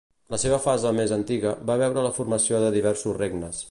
La seva fase més antiga va veure la formació de diversos regnes.